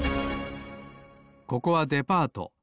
ここはデパート。